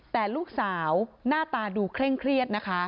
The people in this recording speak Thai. แต่ลูกสาวหน้าตาดูเคร่งเครียดนะคะ